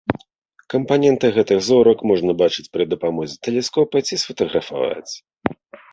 Кампаненты гэтых зорак можна бачыць пры дапамозе тэлескопа ці сфатаграфаваць.